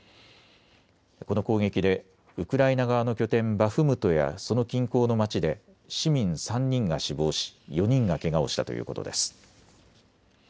この攻撃でウクライナ側の拠点バフムトやその近郊の町で市民３人が死亡し４人がけがをしたということです。